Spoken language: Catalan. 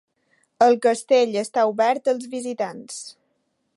El castell està obert als visitants.